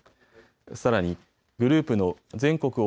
さらに、グループの全国